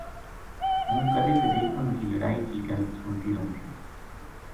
ہوں کدے کدے اُنھ کی لڑائی کی گل سنتی رہوں تھی